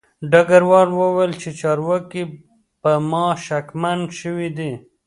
ډګروال وویل چې چارواکي په ما شکمن شوي دي